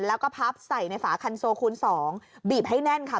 แล้วก็พับใส่ในฝาคันโซคูณ๒บีบให้แน่นค่ะ